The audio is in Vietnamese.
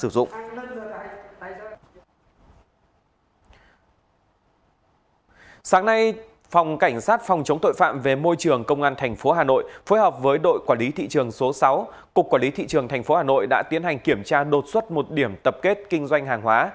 cục quản lý thị trường tp hà nội đã tiến hành kiểm tra đột xuất một điểm tập kết kinh doanh hàng hóa